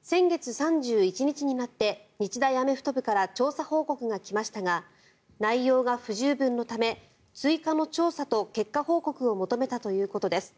先月３１日になって日大アメフト部から調査報告が来ましたが内容が不十分のため追加の調査と結果報告を求めたということです。